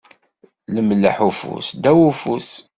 Lemleḥ ufus ddaw ufus.